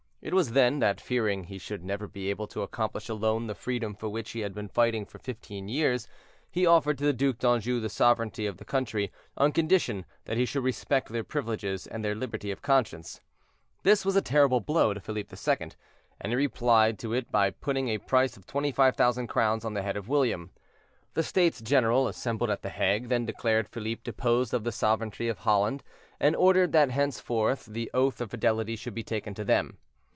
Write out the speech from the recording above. It was then that, fearing he should never be able to accomplish alone the freedom for which he had been fighting for fifteen years, he offered to the Duc d'Anjou the sovereignty of the country, on condition that he should respect their privileges and their liberty of conscience. This was a terrible blow to Philippe II., and he replied to it by putting a price of 25,000 crowns on the head of William. The States General assembled at the Hague, then declared Philippe deposed from the sovereignty of Holland, and ordered that henceforth the oath of fidelity should be taken to them.